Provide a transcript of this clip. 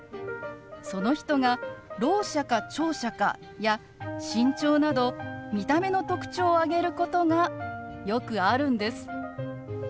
その人がろう者か聴者かや身長など見た目の特徴を挙げることがよくあるんです。